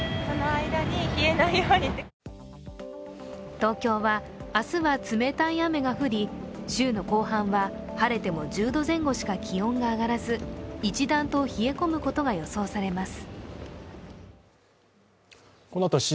東京は明日は冷たい雨が降り、週の後半は晴れても１０度前後しか気温が上がらず、一段と冷え込むことが予想されます。